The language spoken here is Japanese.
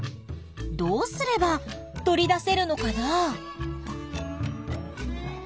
どうすれば取り出せるのかな？